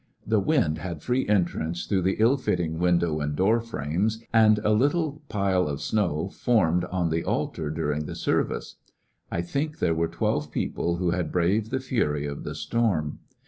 The wind had free entrance through the ill fitting window and door frames, and a little pile of snow formed on the altar during the service. I think there were twelve people who had braved the fury of the storm.